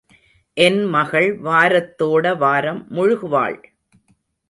என் மகள் வாரத்தோட வாரம் முழுகுவாள்?